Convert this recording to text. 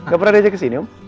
gak pernah diajak kesini om